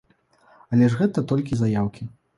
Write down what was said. Але ж гэта толькі заяўкі.